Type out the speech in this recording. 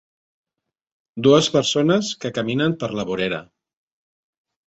Dues persones que caminen per la vorera.